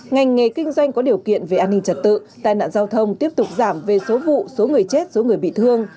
ngành nghề kinh doanh có điều kiện về an ninh trật tự tai nạn giao thông tiếp tục giảm về số vụ số người chết số người bị thương